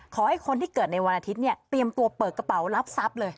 ขอให้คนที่เกิดในวันอาทิตย์เนี่ยเตรียมตัวเปิดกระเป๋ารับทรัพย์เลย